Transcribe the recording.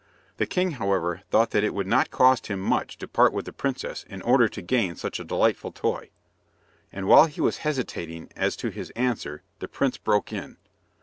The king, however, thought that it would not cost him much to part from the princess in order to gain such a delightful toy, and while he was hesitating as to his answer the prince broke in.